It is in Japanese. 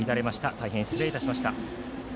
大変失礼いたしました。